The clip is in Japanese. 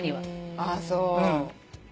あっそう。